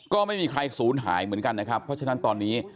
ก็ไม่มีใครศูนย์หายเหมือนกันนะครับเพราะฉะนั้นตอนนี้